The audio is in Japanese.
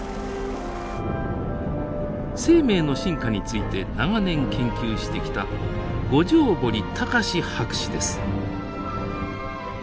生命の進化について長年研究してきた五條堀孝博士です。